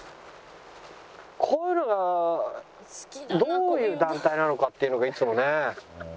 こういうのがどういう団体なのかっていうのがいつもね。